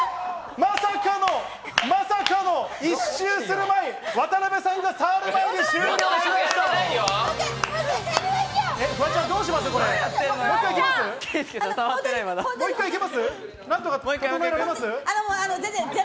まさかの、まさかの１周する前に、渡邊さんが触る前に終了しました。